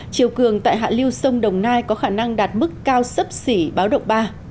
chiều cường tại hạ lưu sông đồng nai có khả năng đạt mức cao sấp xỉ báo động ba